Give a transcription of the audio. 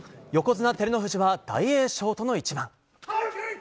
横綱・照ノ富士は大栄翔との一番。